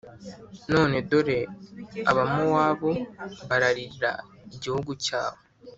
None dore Abamowabu bararirira igihugu cyabo,